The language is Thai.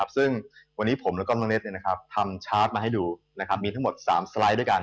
ซึ่งวันนี้ผมและก้อนบังเณศนะครับทำชาร์จมาให้ดูนะครับมีทั้งหมด๓สไลด์ด้วยกัน